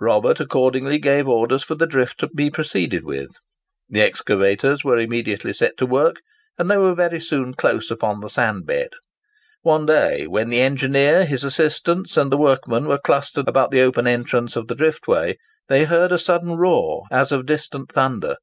Robert accordingly gave orders for the drift to be proceeded with. The excavators were immediately set to work; and they were very soon close upon the sand bed. One day, when the engineer, his assistants, and the workmen were clustered about the open entrance of the drift way, they heard a sudden roar as of distant thunder.